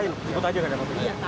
ibut aja yang gak ada papai